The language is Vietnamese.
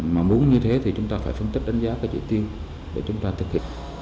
mà muốn như thế thì chúng ta phải phân tích đánh giá các chỉ tiêu để chúng ta thực hiện